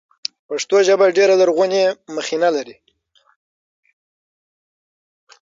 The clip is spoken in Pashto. پښتو ژبه ډېره لرغونې مخینه لري.